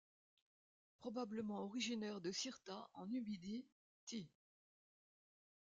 Probablement originaire de Cirta en Numidie, Ti.